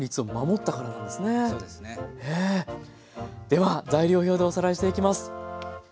では材料表でおさらいしていきます。